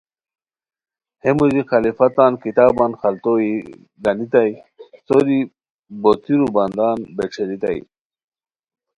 ہے موژی خلفہ تان کتابان خلتو یی گانیتائے سوری بوتیرو بندان بیݯھیریتائے